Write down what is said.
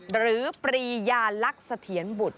ปรียาลักษณ์เสถียรบุตร